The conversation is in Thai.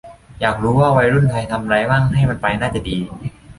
อยากรู้ว่าวัยรุ่นไทยทำไรมั่ง ให้มันไปน่าจะดี